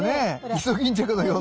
イソギンチャクのような。